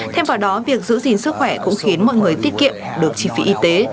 thêm vào đó việc giữ gìn sức khỏe cũng khiến mọi người tiết kiệm được chi phí y tế